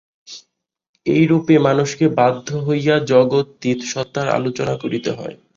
এইরূপে মানুষকে বাধ্য হইয়া জগদতীত সত্তার আলোচনা করিতে হয়।